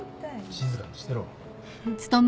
静かにしてろ。